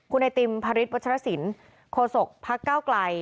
คุณไอติมพริษบัชรสินโคศกพักก้าวกลัย